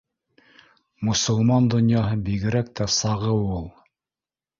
Мосолман донъяһы бигерәк тә сағыу ул